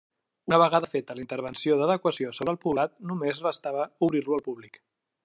Una vegada feta la intervenció d'adequació sobre el poblat només restava obrir-lo al públic.